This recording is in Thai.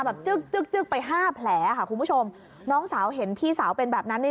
แบบจึกไปห้าแผลค่ะคุณผู้ชมน้องสาวเห็นพี่สาวเป็นแบบนั้น